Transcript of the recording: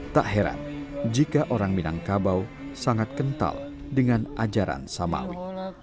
tak heran jika orang minangkabau sangat kental dengan ajaran samawi